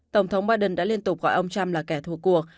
tổng thống biden đã liên tục gọi ông trump là kẻ thua cuộc